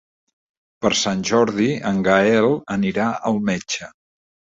Per Sant Jordi en Gaël anirà al metge.